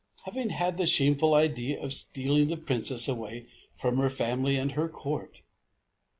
having had the shameful idea of stealing the Princess away from her family and her Court....